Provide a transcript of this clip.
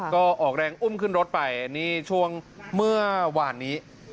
ก็ออกแรงอุ้มขึ้นรถไปนี่ช่วงเมื่อวานนี้